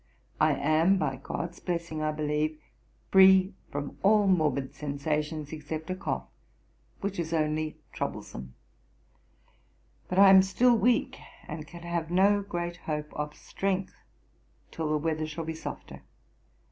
I am, by GOD'S blessing, I believe, free from all morbid sensations, except a cough, which is only troublesome. But I am still weak, and can have no great hope of strength till the weather shall be softer.